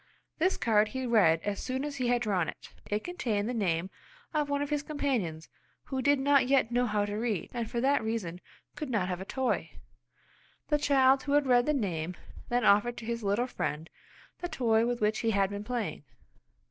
This card he read as soon as he had drawn it. It contained the name of one of his companions who did not yet know how to read, and for that reason could not have a toy. The child who had read the name then offered to his little friend the toy with which he had been playing.